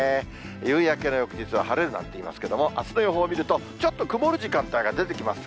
夕焼けの翌日は晴れるなんていいますけれども、あすの予報を見ると、ちょっと曇る時間帯が出てきます。